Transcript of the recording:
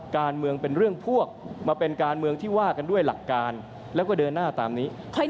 การเมืองเป็นเรื่องพวกมาเป็นการเมืองที่ว่ากันด้วยหลักการแล้วก็เดินหน้าตามนี้